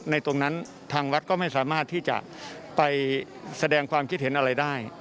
ตรงนั้นทางวัดก็ไม่สามารถที่จะไปแสดงความคิดเห็นอะไรได้